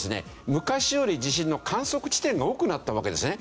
昔より地震の観測地点が多くなったわけですね。